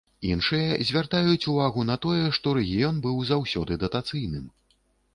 Іншыя звяртаюць увагу на тое, што рэгіён быў заўсёды датацыйным.